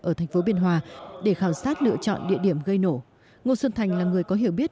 ở thành phố biên hòa để khảo sát lựa chọn địa điểm gây nổ ngô xuân thành là người có hiểu biết